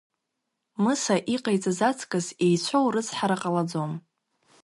Мыса иҟаиҵаз аҵкыс еицәоу рыцҳара ҟалаӡом.